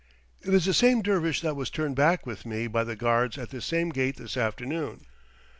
It is the same dervish that was turned back with me by the guards at this same gate this afternoon.